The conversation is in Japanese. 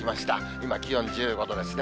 今、気温１５度ですね。